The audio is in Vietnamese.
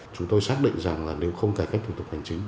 chúng tôi xác định rằng là nếu không cải cách thủ tục hành chính